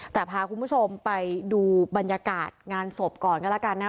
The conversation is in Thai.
แต่พาคุณผู้ชมไปดูบรรยากาศงานศพก่อนก็แล้วกันนะ